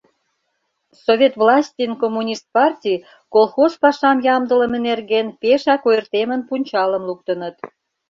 Совет власть ден Коммунист партий колхоз пашам ямдылыме нерген пешак ойыртемын пунчалым луктыныт.